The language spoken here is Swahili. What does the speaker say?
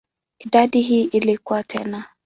Idadi hii ilikua tena.